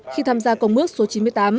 khi tham gia công ước số chín mươi tám